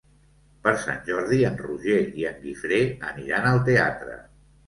Per Sant Jordi en Roger i en Guifré aniran al teatre.